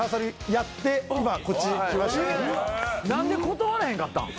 何で断らへんかったん？